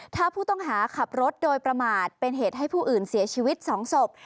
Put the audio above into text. ถ้าผู้ต้องหาขับรถโดยประมาทเป็นเหตุให้ผู้อื่นเสียชีวิต๒ศพ